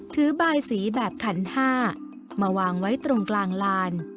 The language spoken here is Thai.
บายสีแบบขันห้ามาวางไว้ตรงกลางลาน